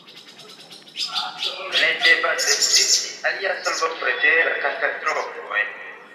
Ne devas ekzisti alia solvo preter la katastrofoj.